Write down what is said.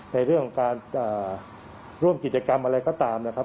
ในเรื่องของการร่วมกิจกรรมอะไรก็ตามนะครับ